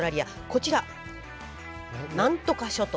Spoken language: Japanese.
こちら何とか諸島。